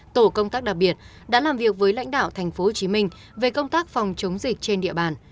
tổ công tác đặc biệt đã làm việc với lãnh đạo tp hcm về công tác phòng chống dịch trên địa bàn